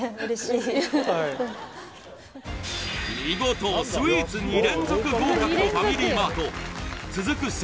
見事スイーツ２連続合格のファミリーマート続く